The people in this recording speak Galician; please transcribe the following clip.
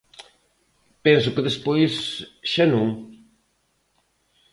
Penso que despois xa non.